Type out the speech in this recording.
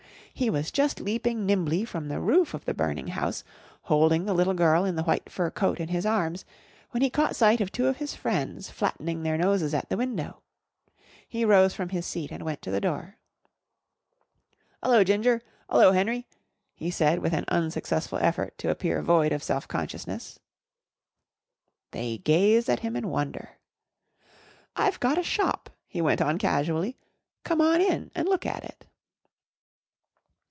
He was just leaping nimbly from the roof of the burning house, holding the little girl in the white fur coat in his arms, when he caught sight of two of his friends flattening their noses at the window. He rose from his seat and went to the door. "'Ullo, Ginger! 'Ullo, Henry!" he said with an unsuccessful effort to appear void of self consciousness. They gazed at him in wonder. "I've gotta shop," he went on casually. "Come on in an' look at it."